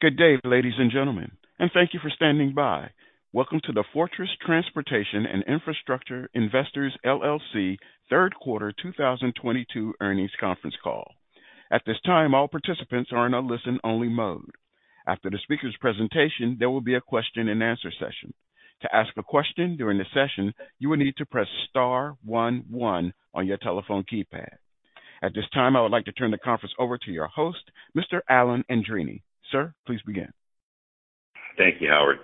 Good day, ladies and gentlemen, and thank you for standing by. Welcome to the Fortress Transportation and Infrastructure Investors LLC third quarter 2022 earnings conference call. At this time, all participants are in a listen-only mode. After the speaker's presentation, there will be a question-and-answer session. To ask a question during the session, you will need to press star one one on your telephone keypad. At this time, I would like to turn the conference over to your host, Mr. Alan Andreini. Sir, please begin. Thank you, Howard.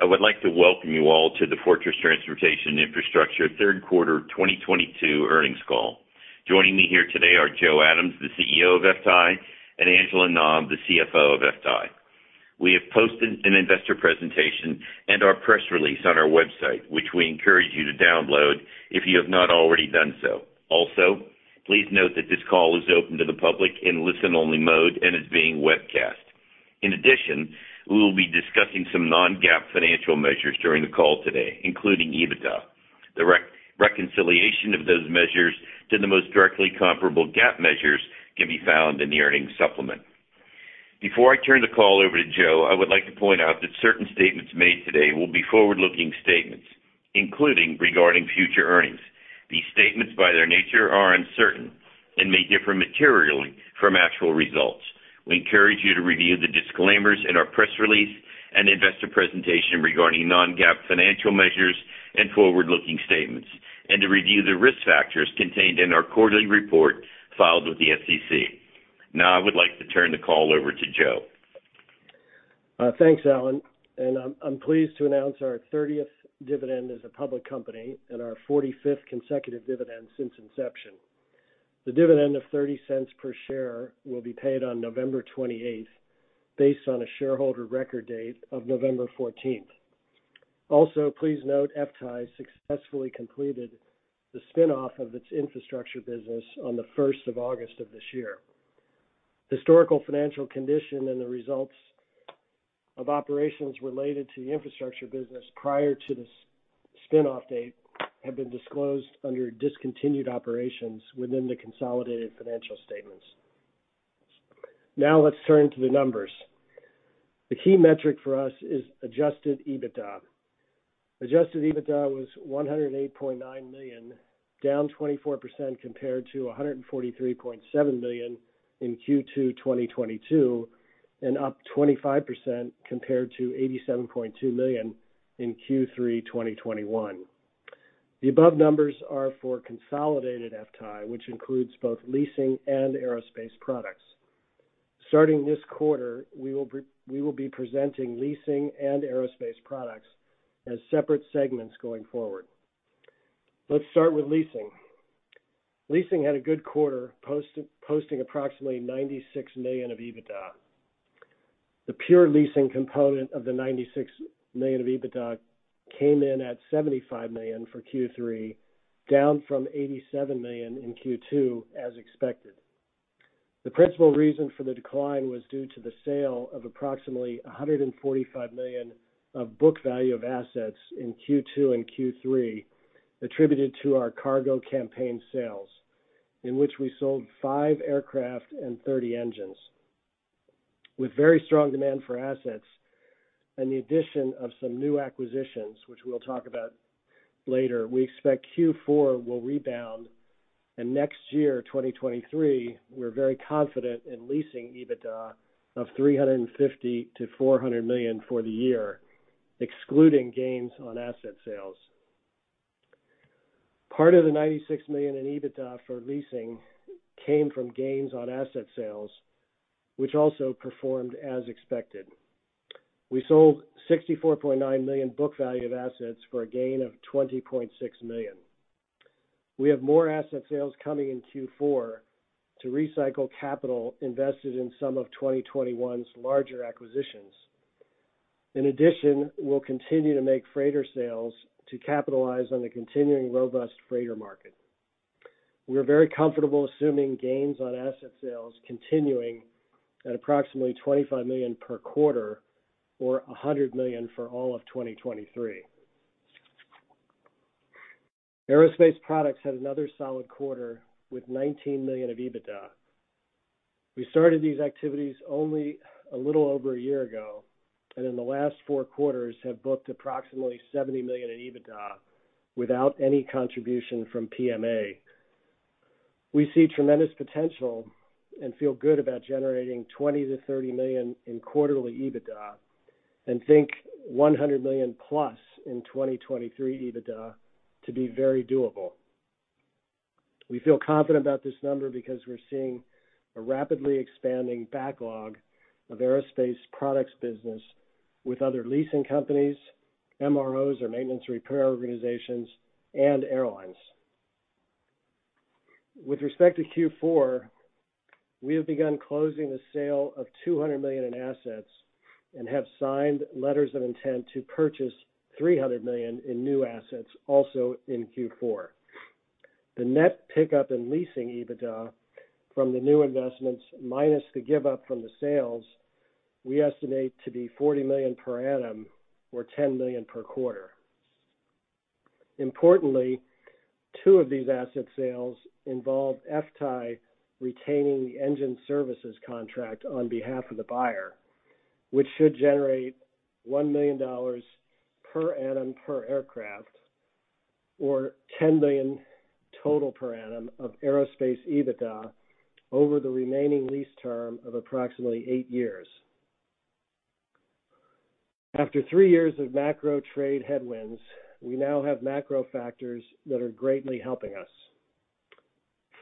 I would like to welcome you all to the Fortress Transportation and Infrastructure Investors third quarter 2022 earnings call. Joining me here today are Joe Adams, the CEO of FTAI, and Angela Nam, the CFO of FTAI. We have posted an investor presentation and our press release on our website, which we encourage you to download if you have not already done so. Also, please note that this call is open to the public in listen-only mode and is being webcast. In addition, we will be discussing some non-GAAP financial measures during the call today, including EBITDA. The reconciliation of those measures to the most directly comparable GAAP measures can be found in the earnings supplement. Before I turn the call over to Joe, I would like to point out that certain statements made today will be forward-looking statements, including regarding future earnings. These statements, by their nature, are uncertain and may differ materially from actual results. We encourage you to review the disclaimers in our press release and investor presentation regarding non-GAAP financial measures and forward-looking statements, and to review the risk factors contained in our quarterly report filed with the SEC. Now I would like to turn the call over to Joe. Thanks, Alan, and I'm pleased to announce our 30th dividend as a public company and our 45th consecutive dividend since inception. The dividend of $0.30 per share will be paid on November 28th, based on a shareholder record date of November 14th. Also, please note FTAI successfully completed the spin-off of its infrastructure business on the first of August of this year. Historical financial condition and the results of operations related to the infrastructure business prior to the spin-off date have been disclosed under discontinued operations within the consolidated financial statements. Now let's turn to the numbers. The key metric for us is Adjusted EBITDA. Adjusted EBITDA was $108.9 million, down 24% compared to $143.7 million in Q2 2022, and up 25% compared to $87.2 million in Q3 2021. The above numbers are for consolidated FTAI, which includes both leasing and aerospace products. Starting this quarter, we will be presenting leasing and aerospace products as separate segments going forward. Let's start with leasing. Leasing had a good quarter, posting approximately $96 million of EBITDA. The pure leasing component of the $96 million of EBITDA came in at $75 million for Q3, down from $87 million in Q2 as expected. The principal reason for the decline was due to the sale of approximately $145 million of book value of assets in Q2 and Q3 attributed to our cargo campaign sales, in which we sold five aircraft and 30 engines. With very strong demand for assets and the addition of some new acquisitions, which we'll talk about later, we expect Q4 will rebound. Next year, 2023, we're very confident in leasing EBITDA of $350 million-$400 million for the year, excluding gains on asset sales. Part of the $96 million in EBITDA for leasing came from gains on asset sales, which also performed as expected. We sold $64.9 million book value of assets for a gain of $20.6 million. We have more asset sales coming in Q4 to recycle capital invested in some of 2021's larger acquisitions. In addition, we'll continue to make freighter sales to capitalize on the continuing robust freighter market. We're very comfortable assuming gains on asset sales continuing at approximately $25 million per quarter or $100 million for all of 2023. Aerospace products had another solid quarter with $19 million of EBITDA. We started these activities only a little over a year ago, and in the last four quarters have booked approximately $70 million in EBITDA without any contribution from PMA. We see tremendous potential and feel good about generating $20 million-$30 million in quarterly EBITDA and think $100 million+ in 2023 EBITDA to be very doable. We feel confident about this number because we're seeing a rapidly expanding backlog of aerospace products business with other leasing companies, MROs or maintenance repair organizations, and airlines. With respect to Q4, we have begun closing the sale of $200 million in assets and have signed letters of intent to purchase $300 million in new assets also in Q4. The net pickup in leasing EBITDA from the new investments minus the give up from the sales, we estimate to be $40 million per annum or $10 million per quarter. Importantly, two of these asset sales involve FTAI retaining the engine services contract on behalf of the buyer, which should generate $1 million per annum per aircraft, or $10 million total per annum of aerospace EBITDA over the remaining lease term of approximately eight years. After three years of macro trade headwinds, we now have macro factors that are greatly helping us.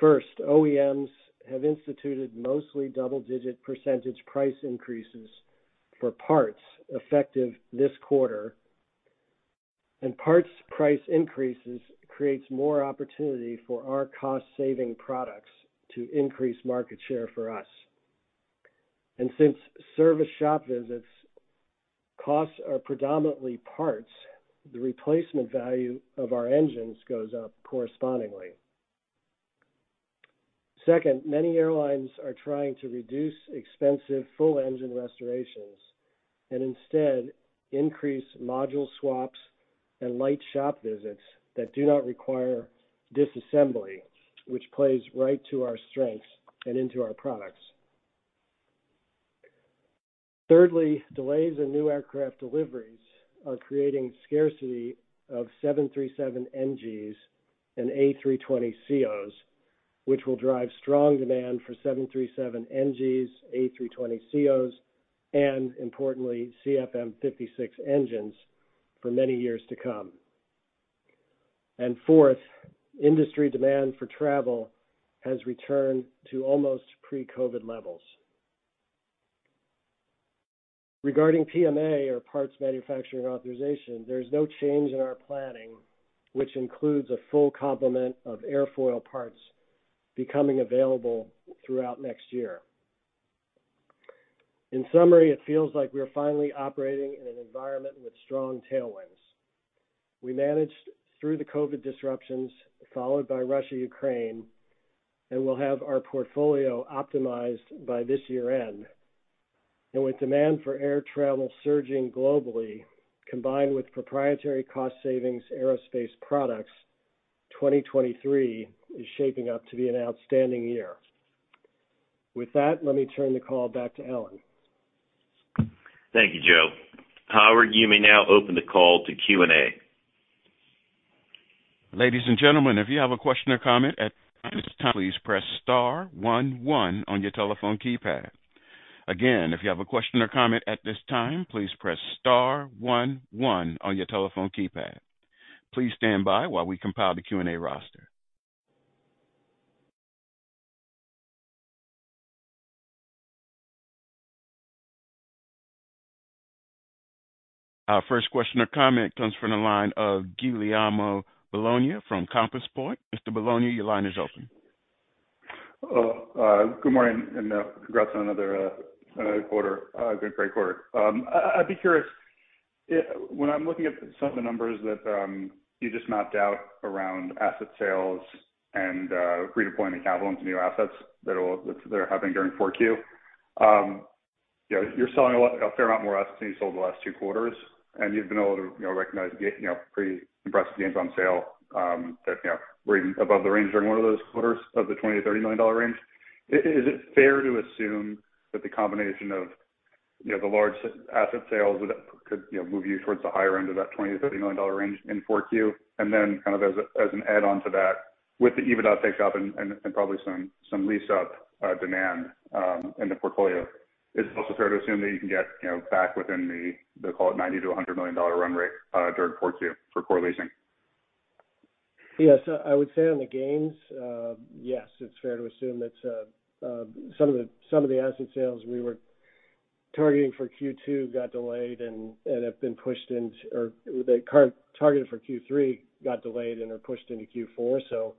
First, OEMs have instituted mostly double-digit percent price increases for parts effective this quarter, and parts price increases creates more opportunity for our cost saving products to increase market share for us. Since service shop visits costs are predominantly parts, the replacement value of our engines goes up correspondingly. Second, many airlines are trying to reduce expensive full engine restorations and instead increase module swaps and light shop visits that do not require disassembly, which plays right to our strengths and into our products. Thirdly, delays in new aircraft deliveries are creating scarcity of 737 NGs and A320 CEOs, which will drive strong demand for 737 NGs, A320 CEOs, and importantly, CFM56 engines for many years to come. Fourth, industry demand for travel has returned to almost pre-COVID levels. Regarding PMA or Parts Manufacturer Approval, there's no change in our planning, which includes a full complement of airfoil parts becoming available throughout next year. In summary, it feels like we are finally operating in an environment with strong tailwinds. We managed through the COVID disruptions followed by Russia, Ukraine, and we'll have our portfolio optimized by this year end. With demand for air travel surging globally, combined with proprietary cost savings aerospace products, 2023 is shaping up to be an outstanding year. With that, let me turn the call back to Alan. Thank you, Joe. Howard, you may now open the call to Q&A. Ladies and gentlemen, if you have a question or comment at this time, please press star one one on your telephone keypad. Again, if you have a question or comment at this time, please press star one one on your telephone keypad. Please stand by while we compile the Q&A roster. Our first question or comment comes from the line of Giuliano Bologna from Compass Point. Mr. Bologna, your line is open. Hello. Good morning and, congrats on another quarter. Been a great quarter. I'd be curious, when I'm looking at some of the numbers that you just mapped out around asset sales and, redeploying the capital into new assets that are happening during Q4. You know, you're selling a lot, a fair amount more assets than you sold the last two quarters, and you've been able to, you know, recognize pretty impressive gains on sale, that, you know, were above the range during one of those quarters of the $20 million-$30 million range. Is it fair to assume that the combination of, you know, the large asset sales that could, you know, move you towards the higher end of that $20 million-$30 million range in Q4? Then kind of as an add-on to that, with the EBITDA pickup and probably some lease up demand in the portfolio, is it also fair to assume that you can get back within the call it $90 million-$100 million run rate during 4Q for core leasing? Yes. I would say on the gains, yes, it's fair to assume that some of the asset sales currently targeted for Q3 got delayed and are pushed into Q4.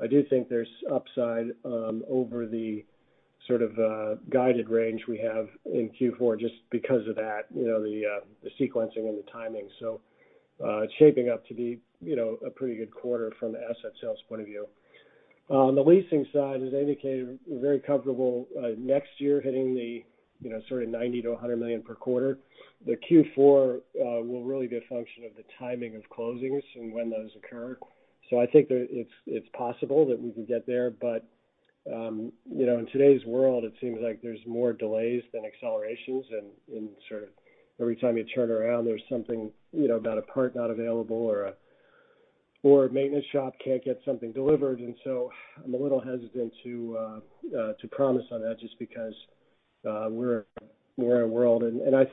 I do think there's upside over the sort of guided range we have in Q4 just because of that, you know, the sequencing and the timing. It's shaping up to be, you know, a pretty good quarter from an asset sales point of view. On the leasing side, as indicated, we're very comfortable next year hitting the, you know, sort of $90 million-$100 million per quarter. The Q4 will really be a function of the timing of closings and when those occur. I think that it's possible that we could get there. You know, in today's world, it seems like there's more delays than accelerations. Sort of every time you turn around, there's something, you know, about a part not available or a maintenance shop can't get something delivered. I'm a little hesitant to promise on that just because we're in a world. Thanks, Joe. Hopefully,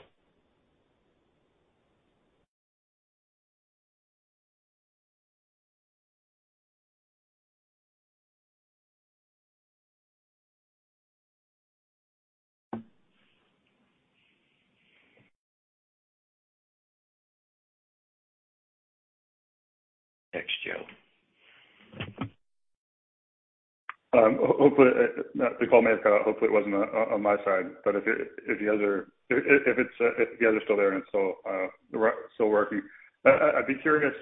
the call may have cut out. Hopefully it wasn't on my side. If the other's still there and it's still, we're still working. I'd be curious.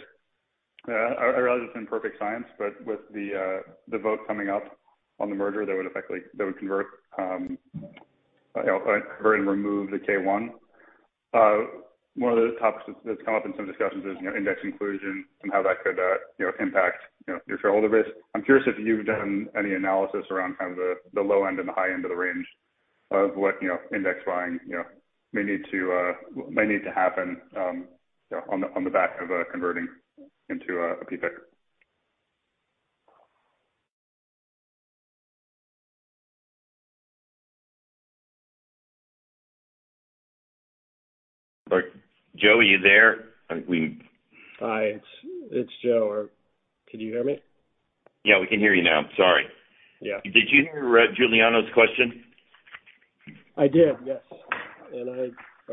I realize it's imperfect science, but with the vote coming up on the merger that would effectively convert, you know, and remove the K-1. One of the topics that's come up in some discussions is, you know, index inclusion and how that could, you know, impact, you know, your shareholder base. I'm curious if you've done any analysis around kind of the low end and the high end of the range of what, you know, index buying, you know, may need to happen, you know, on the back of converting into a C-Corp. Joe, are you there? I think we. Hi, it's Joe. Could you hear me? Yeah, we can hear you now. Sorry. Yeah. Did you hear Giuliano's question? I did, yes.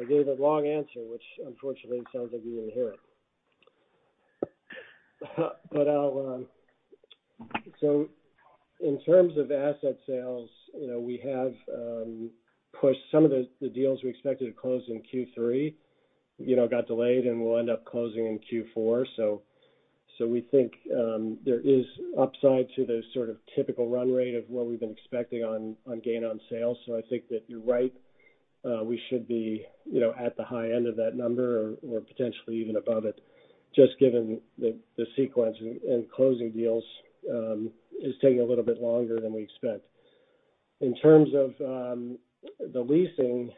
I gave a long answer, which unfortunately sounds like you didn't hear it. I'll... In terms of asset sales, you know, we have pushed some of the deals we expected to close in Q3, you know, got delayed and will end up closing in Q4. We think there is upside to the sort of typical run rate of what we've been expecting on gain on sales. I think that you're right, we should be, you know, at the high end of that number or potentially even above it, just given the sequence and closing deals is taking a little bit longer than we expect. In terms of the leasing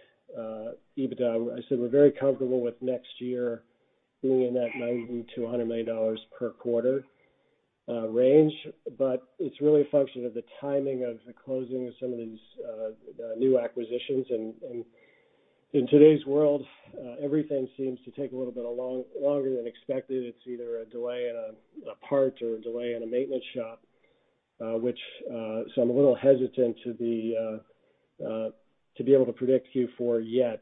EBITDA, I said we're very comfortable with next year being in that $90 million-$100 million per quarter range. It's really a function of the timing of the closing of some of these, the new acquisitions and in today's world everything seems to take a little bit longer than expected. It's either a delay in a part or a delay in a maintenance shop, so I'm a little hesitant to be able to predict Q4 yet,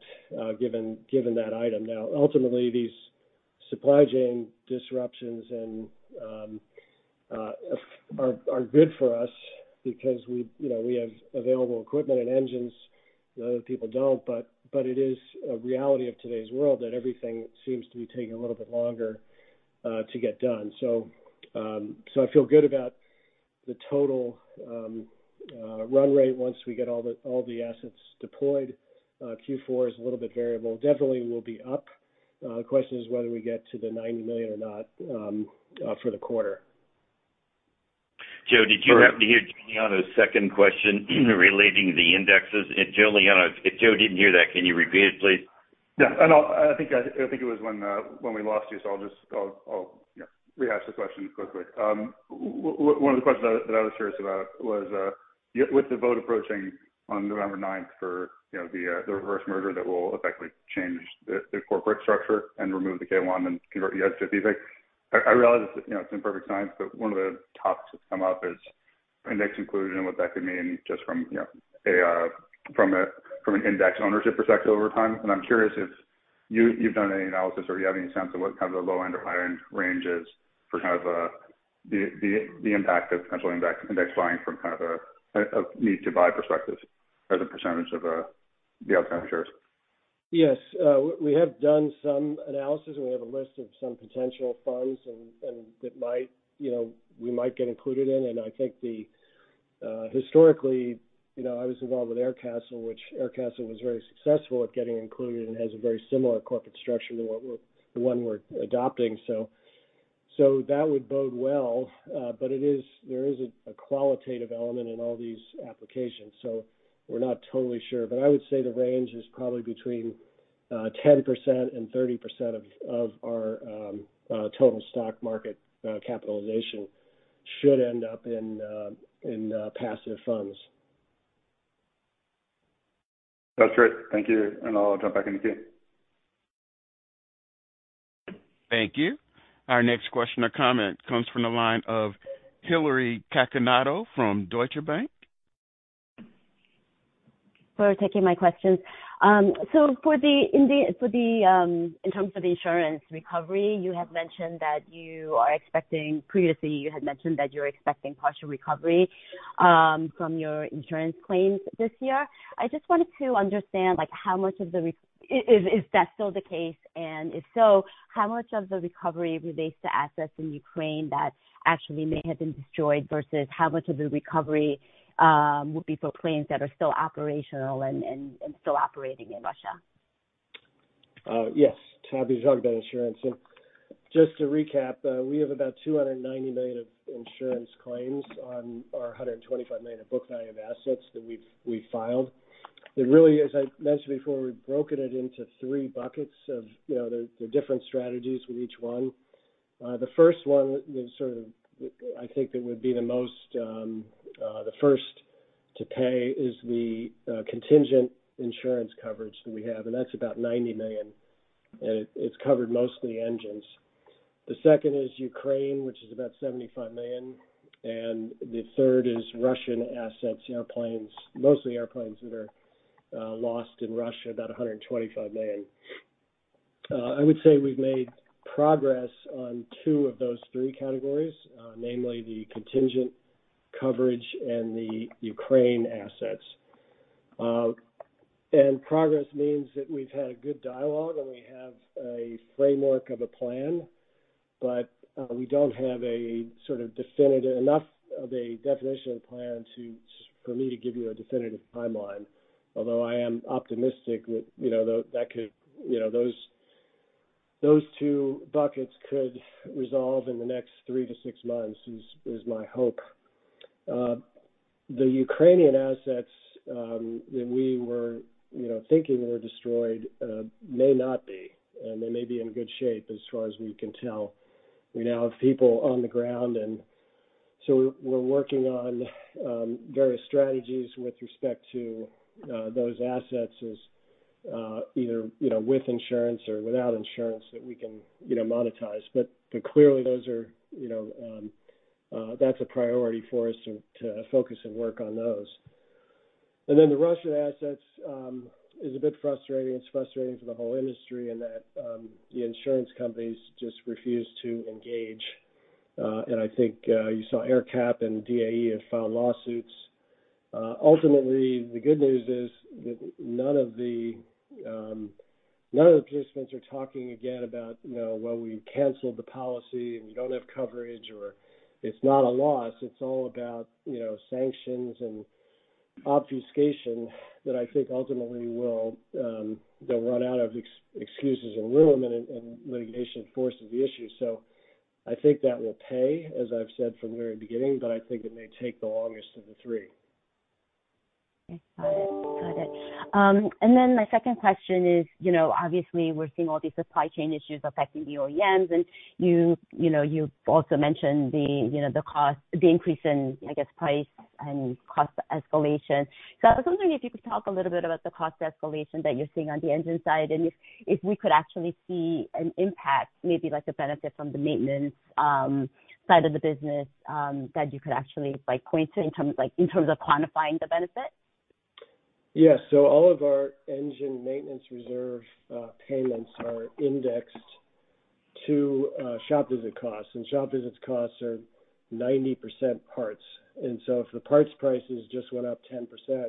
given that item. Now, ultimately, these supply chain disruptions are good for us because we, you know, we have available equipment and engines that other people don't. It is a reality of today's world that everything seems to be taking a little bit longer to get done. I feel good about the total run rate once we get all the assets deployed. Q4 is a little bit variable. Definitely will be up. The question is whether we get to $90 million or not for the quarter. Joe, did you happen to hear Giuliano's second question relating the indexes? Giuliano, if Joe didn't hear that, can you repeat it, please? Yeah. I think it was when we lost you, so I'll just, you know, rehash the question quickly. One of the questions that I was curious about was with the vote approaching on November ninth for, you know, the reverse merger that will effectively change the corporate structure and remove the K-1 and convert you guys to C-Corp. I realize it's, you know, it's imperfect science, but one of the topics that's come up is index inclusion and what that could mean just from, you know, FTAI from a, from an index ownership perspective over time. I'm curious if you've done any analysis or you have any sense of what kind of the low end or high end range is for kind of the impact of potential index buying from kind of a need to buy perspective as a percentage of the outstanding shares. Yes. We have done some analysis, and we have a list of some potential funds and that might, you know, we might get included in. I think the historically, you know, I was involved with Aircastle, which Aircastle was very successful at getting included and has a very similar corporate structure to what we're adopting. That would bode well. But there is a qualitative element in all these applications, so we're not totally sure. I would say the range is probably between 10% and 30% of our total stock market capitalization should end up in passive funds. That's great. Thank you. I'll jump back in the queue. Thank you. Our next question or comment comes from the line of Hillary Cacanando from Deutsche Bank. for taking my questions. In terms of the insurance recovery, previously you had mentioned that you're expecting partial recovery from your insurance claims this year. I just wanted to understand, like, is that still the case? If so, how much of the recovery relates to assets in Ukraine that actually may have been destroyed versus how much of the recovery would be for planes that are still operational and still operating in Russia? Yes. To have these on the insurance. Just to recap, we have about $290 million of insurance claims on our $125 million of book value of assets that we've filed. It really is, I mentioned before, we've broken it into three buckets of, you know, the different strategies with each one. The first one is sort of, I think that would be the most, the first to pay is the contingent insurance coverage that we have, and that's about $90 million. It's covered mostly engines. The second is Ukraine, which is about $75 million. The third is Russian assets airplanes, mostly airplanes that are lost in Russia, about $125 million. I would say we've made progress on two of those three categories, namely the contingent coverage and the Ukrainian assets. Progress means that we've had a good dialogue, and we have a framework of a plan. We don't have enough of a definition and plan for me to give you a definitive timeline. Although I am optimistic that, you know, that could, you know, those two buckets could resolve in the next three-six months, is my hope. The Ukrainian assets, that we were, you know, thinking were destroyed, may not be, and they may be in good shape as far as we can tell. We now have people on the ground, and so we're working on various strategies with respect to those assets as either, you know, with insurance or without insurance that we can, you know, monetize. Clearly those are, you know, that's a priority for us to focus and work on those. The Russian assets is a bit frustrating. It's frustrating for the whole industry, in that the insurance companies just refuse to engage. I think you saw AerCap and DAE have filed lawsuits. Ultimately, the good news is that none of the participants are talking again about, you know, well, we canceled the policy, and we don't have coverage, or it's not a loss. It's all about, you know, sanctions and obfuscation that I think ultimately will, they'll run out of excuses and room, and litigation forces the issue. I think that will pay, as I've said from the very beginning, but I think it may take the longest of the three. Okay. Got it. My second question is, you know, obviously we're seeing all these supply chain issues affecting the OEMs, and you know, you also mentioned the increase in, I guess, price and cost escalation. I was wondering if you could talk a little bit about the cost escalation that you're seeing on the engine side, and if we could actually see an impact, maybe like a benefit from the maintenance side of the business, that you could actually, like, point to in terms of quantifying the benefit. Yes. All of our engine maintenance reserve payments are indexed to shop visit costs. Shop visit costs are 90% parts. If the parts prices just went up 10%,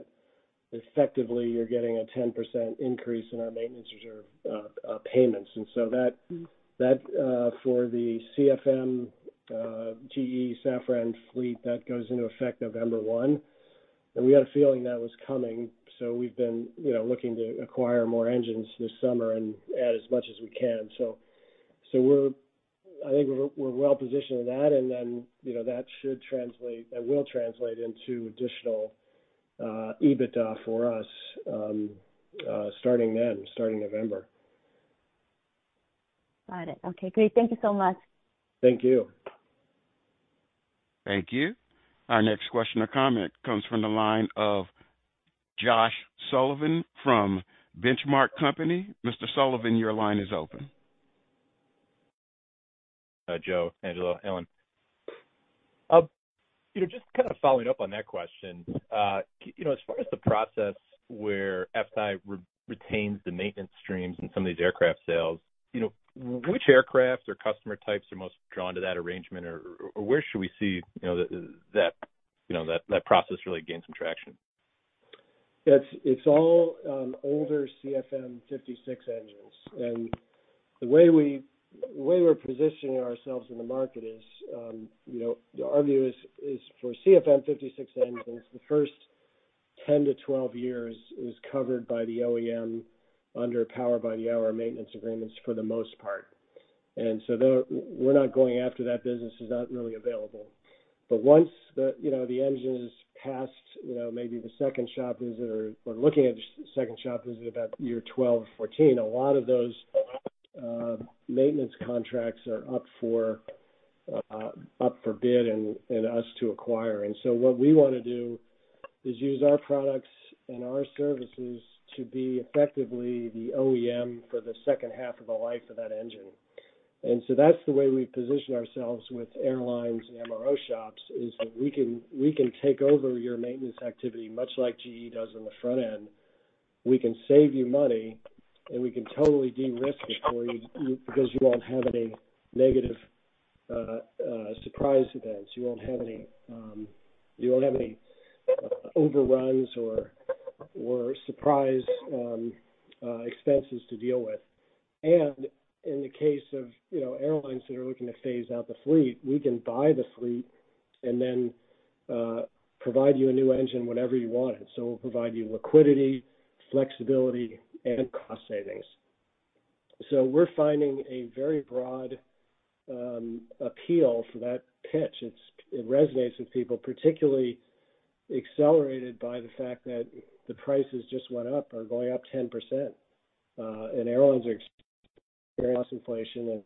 effectively you're getting a 10% increase in our maintenance reserve payments. Mm-hmm. That for the CFM GE Safran fleet goes into effect November one. We had a feeling that was coming, so we've been, you know, looking to acquire more engines this summer and add as much as we can. I think we're well positioned in that. You know, that should translate, that will translate into additional EBITDA for us starting November. Got it. Okay, great. Thank you so much. Thank you. Thank you. Our next question or comment comes from the line of Josh Sullivan from The Benchmark Company. Mr. Sullivan, your line is open. Joe, Angela, Alan. You know, just kind of following up on that question. You know, as far as the process where FTAI retains the maintenance streams in some of these aircraft sales, you know, which aircraft or customer types are most drawn to that arrangement? Or where should we see, you know, that process really gain some traction? It's all older CFM56 engines. The way we're positioning ourselves in the market is, you know, our view is for CFM56 engines, the first 10-12 years is covered by the OEM under Power by the Hour maintenance agreements for the most part. Though we're not going after that business, it's not really available. Once the engine is past, you know, maybe the second shop visit or looking at second shop visit about year 12-14, a lot of those maintenance contracts are up for bid and us to acquire. What we wanna do is use our products and our services to be effectively the OEM for the second half of the life of that engine. That's the way we position ourselves with airlines and MRO shops, is that we can take over your maintenance activity, much like GE does on the front end. We can save you money, and we can totally de-risk it for you, because you won't have any negative surprise events. You won't have any overruns or surprise expenses to deal with. In the case of airlines that are looking to phase out the fleet, we can buy the fleet and then provide you a new engine whenever you want it. We'll provide you liquidity, flexibility, and cost savings. We're finding a very broad appeal for that pitch. It resonates with people, particularly accelerated by the fact that the prices just went up, are going up 10%. Airlines are experiencing cost inflation, and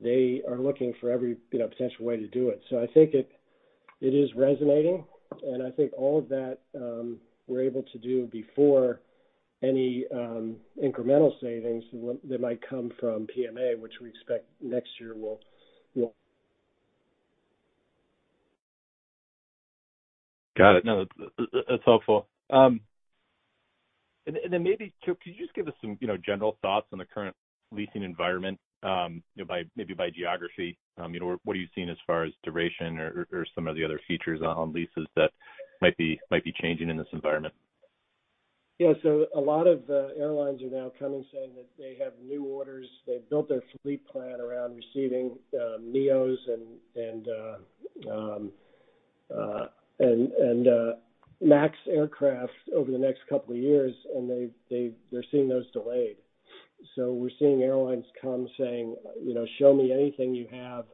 they are looking for every, you know, potential way to do it. I think it is resonating, and I think all of that we're able to do before any incremental savings that might come from PMA, which we expect next year will. Got it. No, that's helpful. Maybe, Joe, could you just give us some, you know, general thoughts on the current leasing environment, you know, by maybe by geography? You know, or what are you seeing as far as duration or some of the other features on leases that might be changing in this environment? Yeah. A lot of airlines are now coming saying that they have new orders. They've built their fleet plan around receiving NEOs and MAX aircraft over the next couple of years, and they're seeing those delayed. We're seeing airlines come saying, you know, "Show me anything you have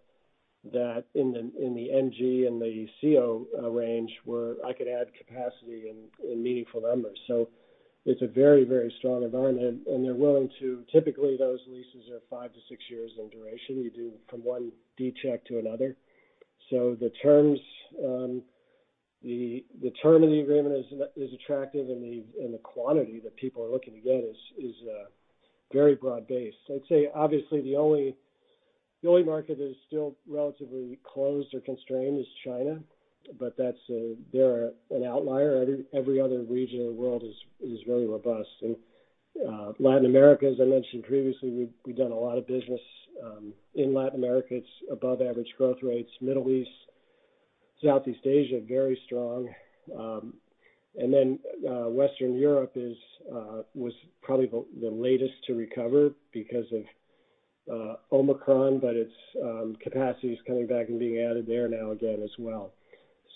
that in the NG and the CEO range, where I could add capacity in meaningful numbers." It's a very, very strong environment, and they're willing to. Typically, those leases are five-six years in duration. You do from one D check to another. The term of the agreement is attractive, and the quantity that people are looking to get is very broad-based. I'd say, obviously, the only market that is still relatively closed or constrained is China, but that's they're an outlier. Every other region of the world is really robust. Latin America, as I mentioned previously, we've done a lot of business in Latin America. It's above average growth rates. Middle East, Southeast Asia, very strong. Western Europe was probably the latest to recover because of Omicron, but its capacity is coming back and being added there now again as well.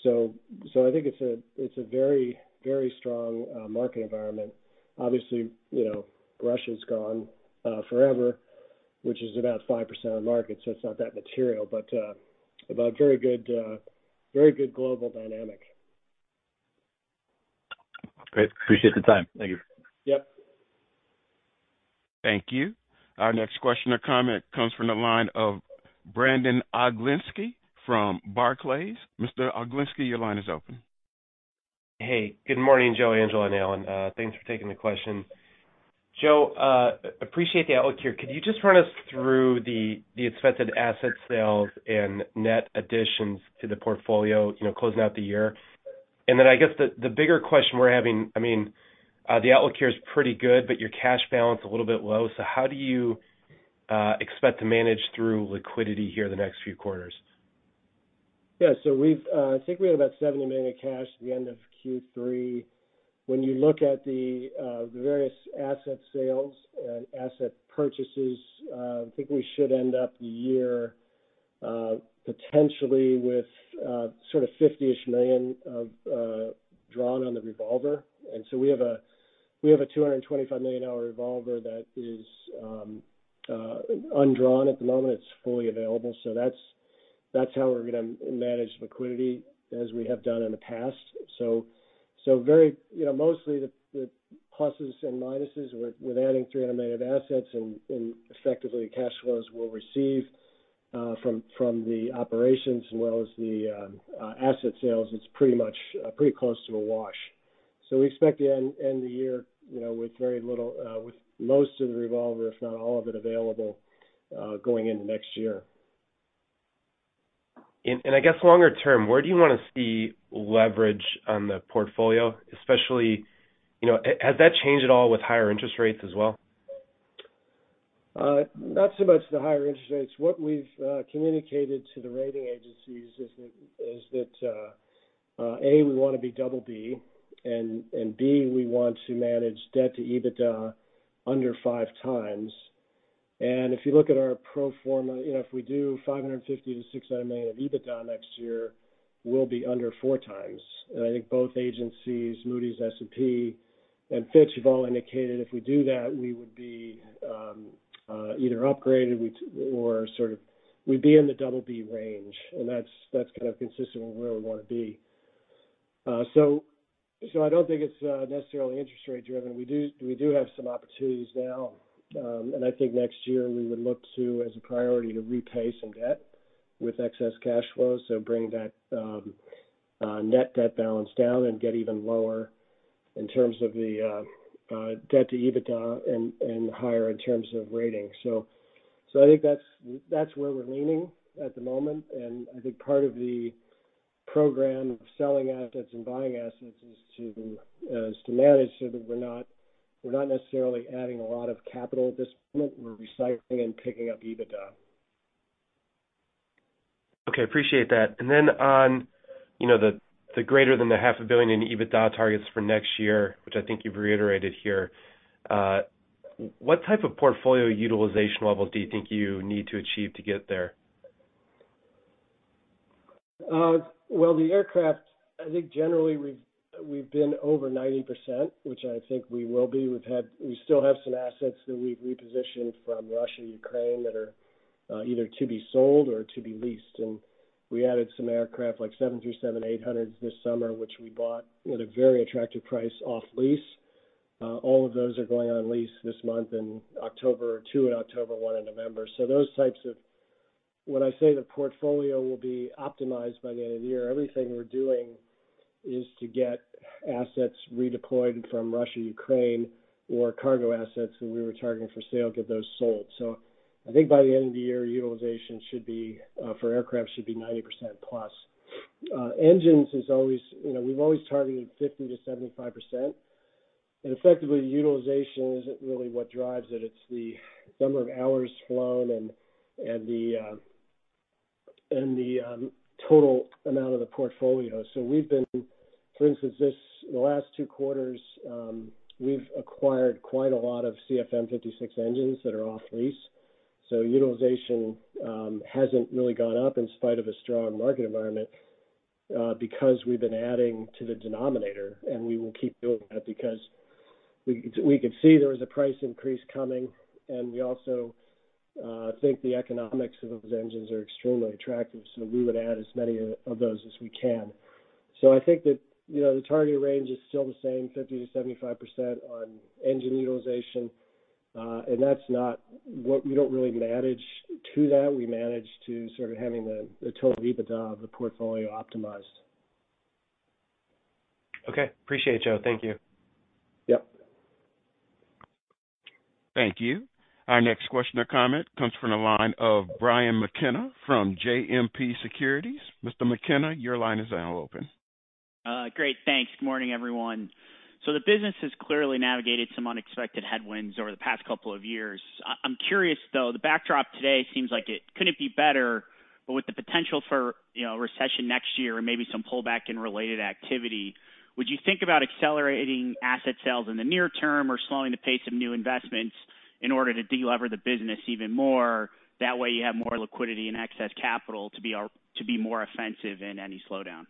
So I think it's a very strong market environment. Obviously, you know, Russia's gone forever, which is about 5% of the market, so it's not that material. But very good global dynamic. Great. Appreciate the time. Thank you. Yep. Thank you. Our next question or comment comes from the line of Brandon Oglenski from Barclays. Mr. Oglenski, your line is open. Hey. Good morning, Joe, Angela, and Alan. Thanks for taking the question. Joe, appreciate the outlook here. Could you just run us through the expected asset sales and net additions to the portfolio, you know, closing out the year? Then I guess the bigger question we're having, I mean, the outlook here is pretty good, but your cash balance is a little bit low. How do you expect to manage through liquidity here the next few quarters? Yeah. I think we had about $70 million in cash at the end of Q3. When you look at the various asset sales and asset purchases, I think we should end up the year potentially with sort of 50-ish million drawn on the revolver. We have a $225 million revolver that is undrawn at the moment. It's fully available. That's how we're gonna manage liquidity as we have done in the past. You know, mostly the pluses and minuses with adding $300 million of assets and effectively cash flows we'll receive from the operations as well as the asset sales, it's pretty much close to a wash. We expect to end the year, you know, with most of the revolver, if not all of it, available going into next year. I guess longer term, where do you wanna see leverage on the portfolio? Especially, you know, has that changed at all with higher interest rates as well? Not so much the higher interest rates. What we've communicated to the rating agencies is that A, we wanna be double B, and B, we want to manage debt to EBITDA under five times. If you look at our pro forma, you know, if we do $550 million-$600 million of EBITDA next year, we'll be under four times. I think both agencies, Moody's, S&P, and Fitch, have all indicated if we do that, we would be either upgraded or sort of we'd be in the double B range, and that's kind of consistent with where we wanna be. I don't think it's necessarily interest rate driven. We have some opportunities now. I think next year we would look to, as a priority, to repay some debt with excess cash flows. Bring that net debt balance down and get even lower in terms of the debt to EBITDA and higher in terms of rating. I think that's where we're leaning at the moment. I think part of the program of selling assets and buying assets is to manage so that we're not necessarily adding a lot of capital at this point. We're recycling and picking up EBITDA. Okay. Appreciate that. On, you know, the greater than half a billion in EBITDA targets for next year, which I think you've reiterated here, what type of portfolio utilization level do you think you need to achieve to get there? The aircraft, I think generally we've been over 90%, which I think we will be. We still have some assets that we've repositioned from Russia and Ukraine that are either to be sold or to be leased. We added some aircraft, like 737-800s this summer, which we bought at a very attractive price off lease. All of those are going on lease this month in October, two in October, one in November. Those types of. When I say the portfolio will be optimized by the end of the year, everything we're doing is to get assets redeployed from Russia, Ukraine, or cargo assets that we were targeting for sale, get those sold. I think by the end of the year, utilization should be for aircraft 90%+. Engines is always. You know, we've always targeted 50%-75%. Effectively, the utilization isn't really what drives it. It's the number of hours flown and the total amount of the portfolio. For instance, the last two quarters, we've acquired quite a lot of CFM56 engines that are off lease. Utilization hasn't really gone up in spite of a strong market environment, because we've been adding to the denominator, and we will keep doing that because we could see there was a price increase coming, and we also think the economics of those engines are extremely attractive, so we would add as many of those as we can. I think that, you know, the target range is still the same, 50%-75% on engine utilization. That's not what. We don't really manage to that. We manage to sort of having the total EBITDA of the portfolio optimized. Okay. Appreciate it, Joe. Thank you. Yep. Thank you. Our next question or comment comes from the line of Brian McKenna from JMP Securities. Mr. McKenna, your line is now open. Great. Thanks. Good morning, everyone. The business has clearly navigated some unexpected headwinds over the past couple of years. I'm curious, though, the backdrop today seems like it couldn't be better, but with the potential for, you know, recession next year and maybe some pullback in related activity, would you think about accelerating asset sales in the near term or slowing the pace of new investments in order to de-lever the business even more, that way you have more liquidity and excess capital to be more offensive in any slowdown?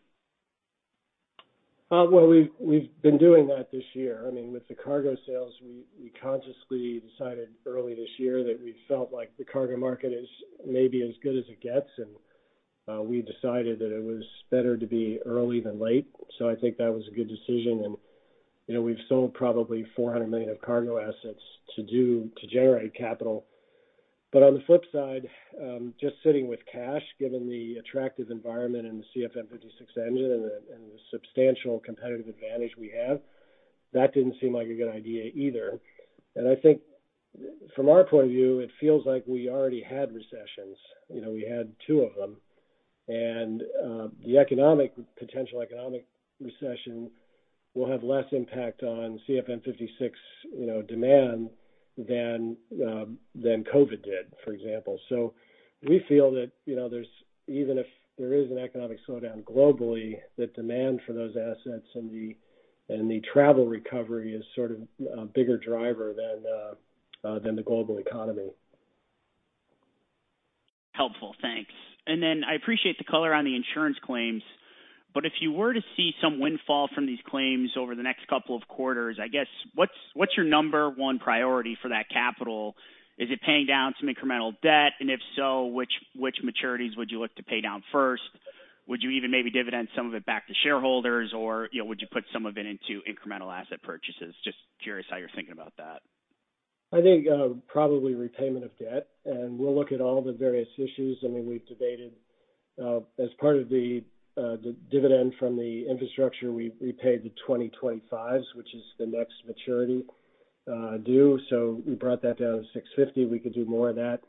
Well, we've been doing that this year. I mean, with the cargo sales, we consciously decided early this year that we felt like the cargo market is maybe as good as it gets, and we decided that it was better to be early than late. I think that was a good decision. You know, we've sold probably $400 million of cargo assets to generate capital. On the flip side, just sitting with cash, given the attractive environment in the CFM56 engine and the substantial competitive advantage we have, that didn't seem like a good idea either. I think from our point of view, it feels like we already had recessions. You know, we had two of them. The potential economic recession will have less impact on CFM56, you know, demand than than COVID did, for example. We feel that, you know, there's even if there is an economic slowdown globally, the demand for those assets and the travel recovery is sort of a bigger driver than the global economy. Helpful. Thanks. Then I appreciate the color on the insurance claims, but if you were to see some windfall from these claims over the next couple of quarters, I guess what's your number one priority for that capital? Is it paying down some incremental debt? And if so, which maturities would you look to pay down first? Would you even maybe dividend some of it back to shareholders, or, you know, would you put some of it into incremental asset purchases? Just curious how you're thinking about that. I think probably repayment of debt, and we'll look at all the various issues. I mean, we've debated as part of the dividend from the infrastructure, we paid the 2025s, which is the next maturity due. We brought that down to $650. We could do more of that.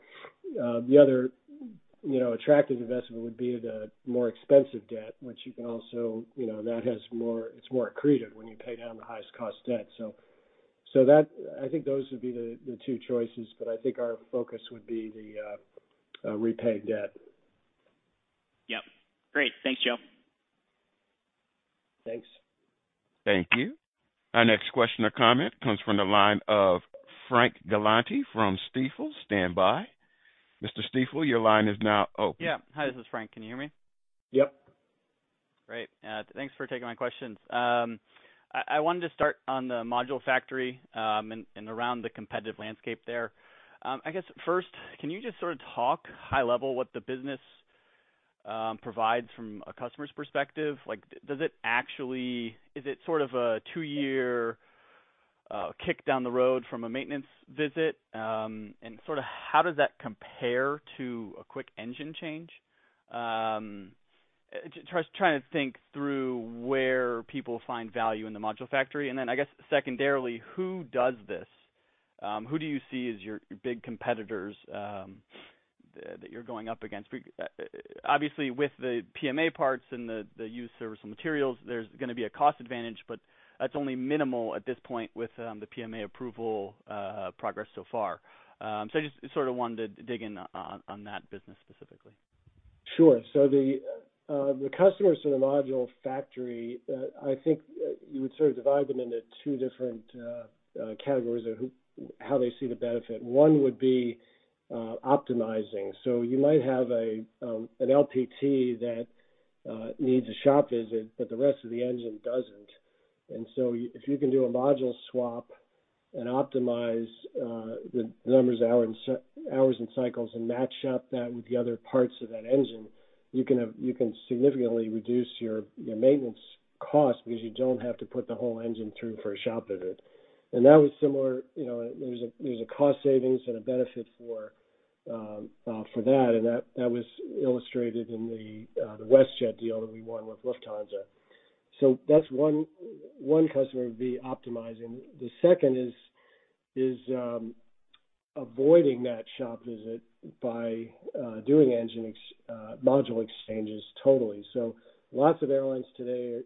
The other, you know, attractive investment would be the more expensive debt, which you can also. You know, that has more. It's more accretive when you pay down the highest cost debt. I think those would be the two choices, but I think our focus would be repay debt. Yep. Great. Thanks, Joe. Thanks. Thank you. Our next question or comment comes from the line of Frank Galanti from Stifel. Stand by. Mr. Galanti, your line is now open. Yeah. Hi, this is Frank. Can you hear me? Yep. Great. Thanks for taking my questions. I wanted to start on the Module Factory, and around the competitive landscape there. I guess first, can you just sort of talk high level what the business provides from a customer's perspective? Like, is it sort of a two-year kick down the road from a maintenance visit? And sort of how does that compare to a Quick Engine Change? Just trying to think through where people find value in the Module Factory. I guess secondarily, who does this? Who do you see as your big competitors that you're going up against? Obviously with the PMA parts and the Used Serviceable Material, there's gonna be a cost advantage, but that's only minimal at this point with the PMA approval progress so far. I just sort of wanted to dig in on that business specifically. Sure. The customers to the Module Factory, I think, you would sort of divide them into two different categories of how they see the benefit. One would be optimizing. You might have an LPT that needs a shop visit, but the rest of the engine doesn't. If you can do a module swap and optimize the numbers of hours and cycle hours and cycles, and match up that with the other parts of that engine, you can significantly reduce your maintenance cost because you don't have to put the whole engine through for a shop visit. That was similar, you know, there's a cost savings and a benefit for that was illustrated in the WestJet deal that we won with Lufthansa. That's one customer would be optimizing. The second is avoiding that shop visit by doing module exchanges totally. Lots of airlines today,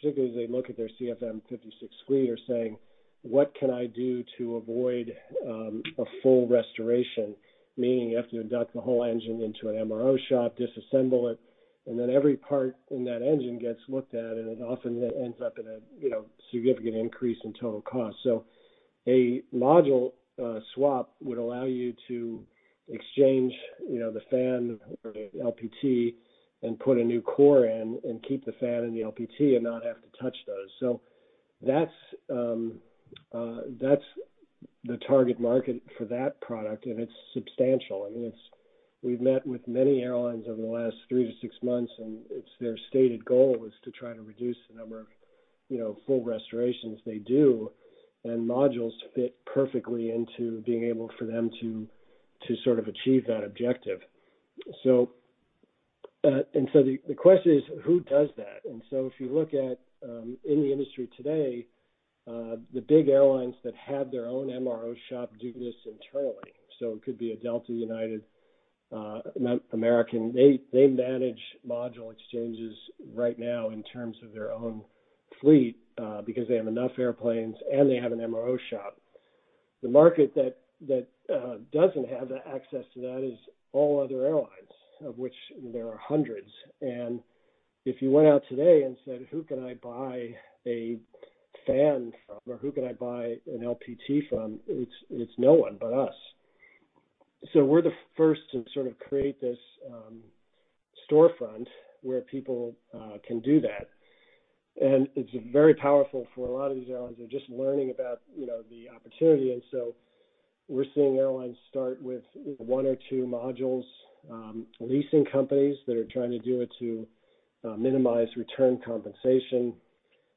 particularly as they look at their CFM56 fleet, are saying, "What can I do to avoid a full restoration?" Meaning you have to induct the whole engine into an MRO shop, disassemble it. Then every part in that engine gets looked at, and it often ends up in a, you know, significant increase in total cost. A module swap would allow you to exchange, you know, the fan or the LPT and put a new core in and keep the fan and the LPT and not have to touch those. That's the target market for that product, and it's substantial. I mean, it's. We've met with many airlines over the last three to six months, and it's their stated goal is to try to reduce the number of, you know, full restorations they do, and modules fit perfectly into being able for them to sort of achieve that objective. The question is, who does that? If you look at in the industry today, the big airlines that have their own MRO shop do this internally. It could be a Delta, United, American. They manage module exchanges right now in terms of their own fleet, because they have enough airplanes and they have an MRO shop. The market that doesn't have that access to that is all other airlines, of which there are hundreds. If you went out today and said, "Who can I buy a fan from or who can I buy an LPT from?" It's no one but us. We're the first to sort of create this storefront where people can do that. It's very powerful for a lot of these airlines. They're just learning about, you know, the opportunity. We're seeing airlines start with one or two modules, leasing companies that are trying to do it to minimize return compensation, and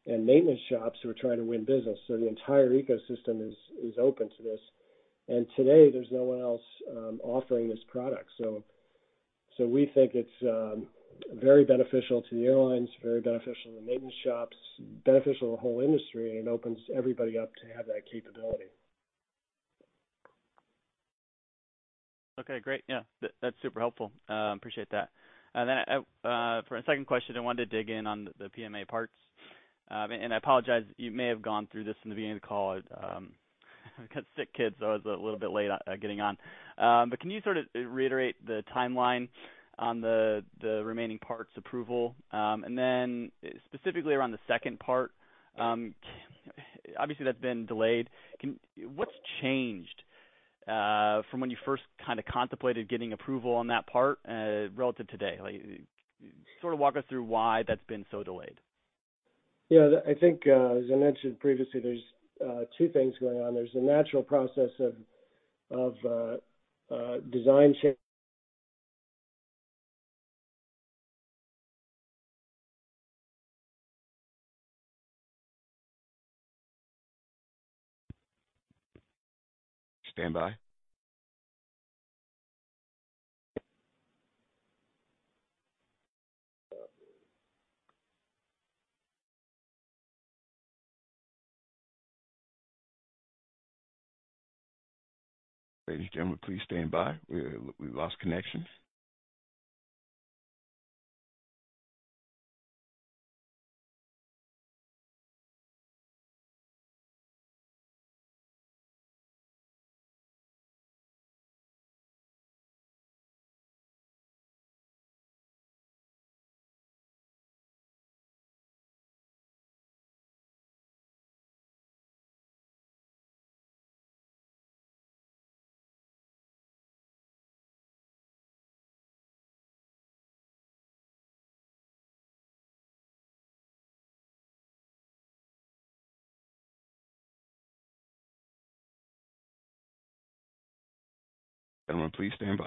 maintenance shops who are trying to win business. The entire ecosystem is open to this. Today, there's no one else offering this product. We think it's very beneficial to the airlines, very beneficial to the maintenance shops, beneficial to the whole industry, and opens everybody up to have that capability. Okay, great. Yeah, that's super helpful. Appreciate that. For a second question, I wanted to dig in on the PMA parts. I apologize, you may have gone through this in the beginning of the call. I've got sick kids, so I was a little bit late at getting on. Can you sort of reiterate the timeline on the remaining parts approval? Specifically around the second part, obviously that's been delayed. What's changed from when you first kind of contemplated getting approval on that part relative today? Like, sort of walk us through why that's been so delayed. Yeah, I think, as I mentioned previously, there's two things going on. Stand by. Ladies and gentlemen, please stand by. We lost connection. Everyone, please stand by.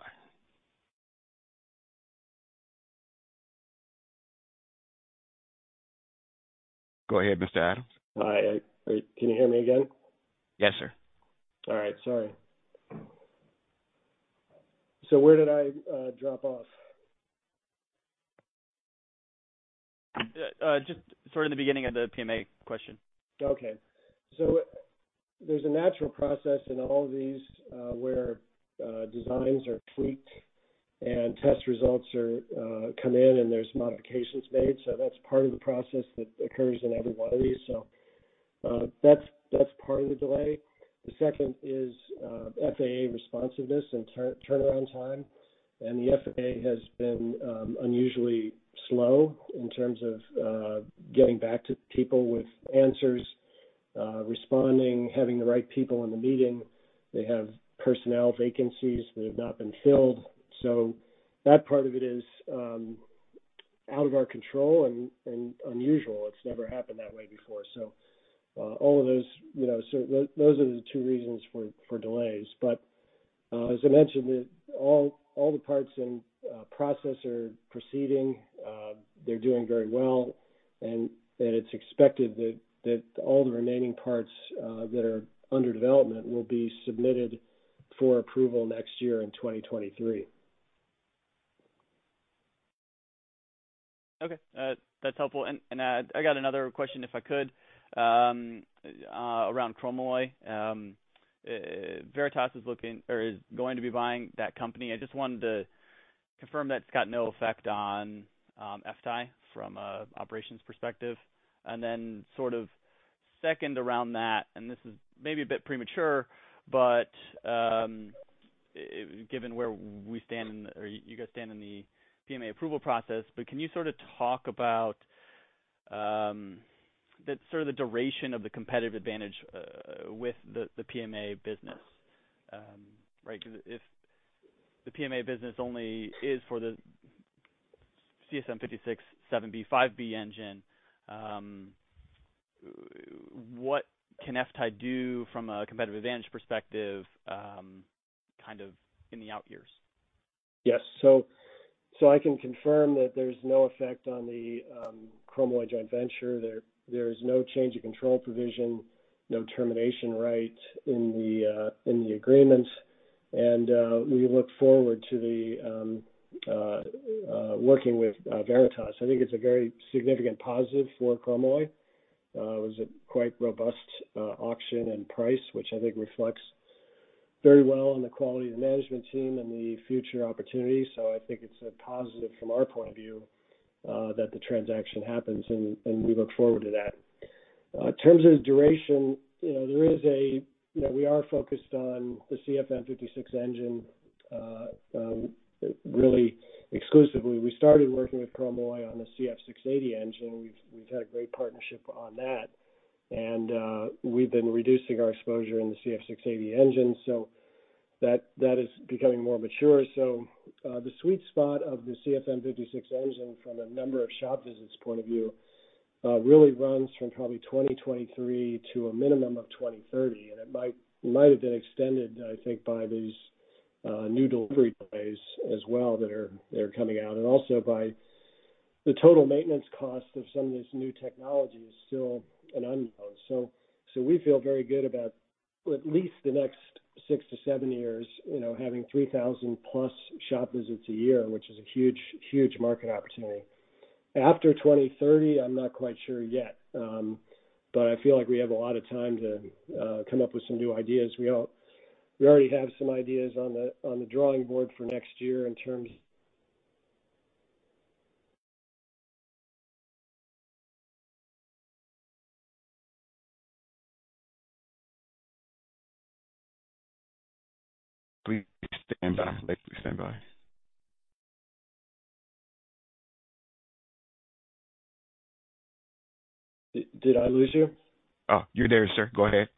Go ahead, Mr. Adams. Hi. Can you hear me again? Yes, sir. All right. Sorry. Where did I drop off? Just sort of the beginning of the PMA question. Okay. There's a natural process in all of these, where designs are tweaked and test results come in, and there's modifications made. That's part of the process that occurs in every one of these. That's part of the delay. The second is FAA responsiveness and turnaround time. The FAA has been unusually slow in terms of getting back to people with answers, responding, having the right people in the meeting. They have personnel vacancies that have not been filled. That part of it is out of our control and unusual. It's never happened that way before. All of those, you know. Those are the two reasons for delays. As I mentioned, all the parts and process are proceeding. They're doing very well. It's expected that all the remaining parts that are under development will be submitted for approval next year in 2023. Okay. That's helpful. I got another question, if I could, around Chromalloy. Veritas is looking or is going to be buying that company. I just wanted to confirm that it's got no effect on FTAI from an operations perspective. Then sort of second around that, and this is maybe a bit premature, but given where we stand in or you guys stand in the PMA approval process. Can you sort of talk about the sort of duration of the competitive advantage with the PMA business? Right. 'Cause if the PMA business only is for the CFM56-7B/5B engine, what can FTAI do from a competitive advantage perspective, kind of in the out years? Yes. I can confirm that there's no effect on the Chromalloy joint venture. There is no change in control provision, no termination right in the agreement. We look forward to working with Veritas Capital. I think it's a very significant positive for Chromalloy. It was a quite robust auction and price, which I think reflects very well on the quality of the management team and the future opportunities. I think it's a positive from our point of view that the transaction happens, and we look forward to that. In terms of duration, you know. You know, we are focused on the CFM56 engine really exclusively. We started working with Chromalloy on the CF6-80 engine. We've had a great partnership on that. We've been reducing our exposure in the CF6-80 engine. That is becoming more mature. The sweet spot of the CFM56 engine from a number of shop visits point of view really runs from probably 2023 to a minimum of 2030. It might have been extended, I think, by these new delivery delays as well that are coming out. Also, the total maintenance cost of some of these new technologies is still an unknown. We feel very good about at least the next six-seven years, you know, having 3,000+ shop visits a year, which is a huge market opportunity. After 2030, I'm not quite sure yet. I feel like we have a lot of time to come up with some new ideas. We already have some ideas on the drawing board for next year in terms. Please stand by. Did I lose you? Oh, you're there, sir. Go ahead.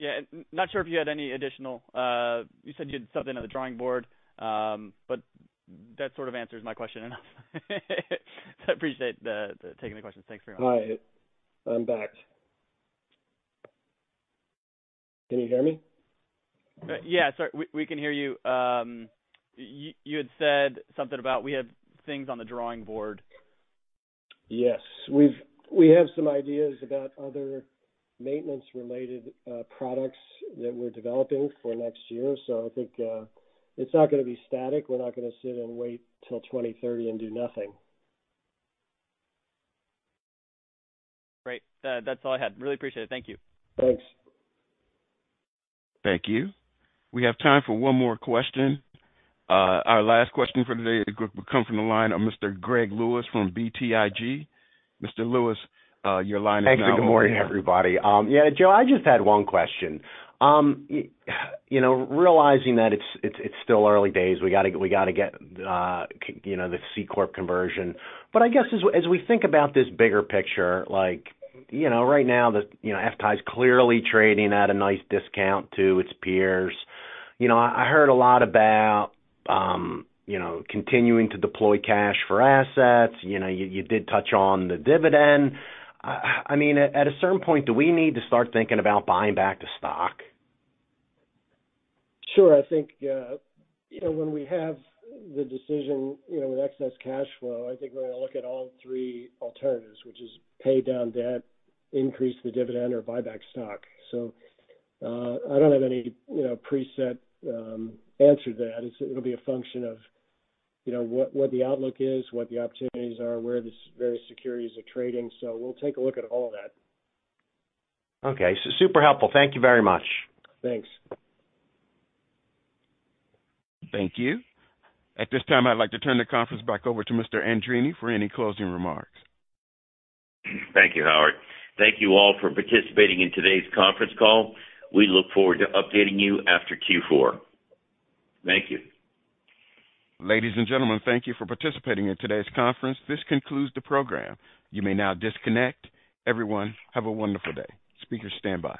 Oh. Yeah. Not sure if you had any additional. You said you had something on the drawing board, but that sort of answers my question enough. I appreciate the taking the question. Thanks very much. All right, I'm back. Can you hear me? Yeah, sorry. We can hear you. You had said something about we have things on the drawing board. Yes. We have some ideas about other maintenance-related products that we're developing for next year. I think it's not gonna be static. We're not gonna sit and wait till 2030 and do nothing. Great. That's all I had. Really appreciate it. Thank you. Thanks. Thank you. We have time for one more question. Our last question for the day will come from the line of Mr. Gregory Lewis from BTIG. Mr. Lewis, your line is now open. Thanks, good morning, everybody. Joe, I just had one question. You know, realizing that it's still early days, we gotta get you know, the C-Corp conversion. I guess as we think about this bigger picture, like, you know, right now, you know, FTAI is clearly trading at a nice discount to its peers. You know, I heard a lot about, you know, continuing to deploy cash for assets. You know, you did touch on the dividend. I mean, at a certain point, do we need to start thinking about buying back the stock? Sure. I think, you know, when we have the decision, you know, with excess cash flow, I think we're gonna look at all three alternatives, which is pay down debt, increase the dividend or buy back stock. I don't have any, you know, preset answer to that. It'll be a function of, you know, what the outlook is, what the opportunities are, where the various securities are trading. We'll take a look at all of that. Okay. Super helpful. Thank you very much. Thanks. Thank you. At this time, I'd like to turn the conference back over to Mr. Andreini for any closing remarks. Thank you, Howard. Thank you all for participating in today's conference call. We look forward to updating you after Q4. Thank you. Ladies and gentlemen, thank you for participating in today's conference. This concludes the program. You may now disconnect. Everyone, have a wonderful day. Speakers stand by.